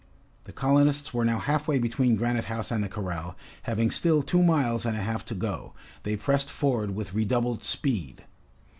The colonists were now half way between Granite House and the corral, having still two miles and a half to go. They pressed forward with redoubled speed.